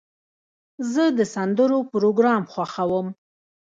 زه د سندرو پروګرام خوښوم.